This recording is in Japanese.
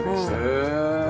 へえ！